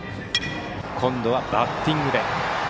今度はバッティングで。